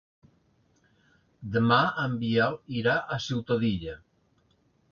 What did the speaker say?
Demà en Biel irà a Ciutadilla.